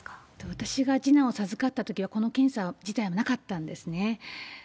私が次男を授かったときは、この検査自体なかったんですね。